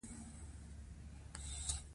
موږ باید د قرآن په رڼا کې زده کړې وکړو.